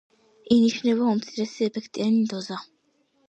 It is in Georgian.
ინიშნება უმცირესი ეფექტიანი დოზა.